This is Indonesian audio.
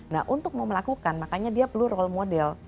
nah untuk mau melakukan makanya dia perlu role model